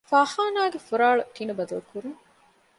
ފާޚާނާގެ ފުރާޅު ޓިނުބަދަލުކުރުން